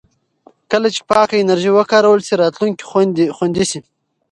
کله چې پاکه انرژي وکارول شي، راتلونکی خوندي شي.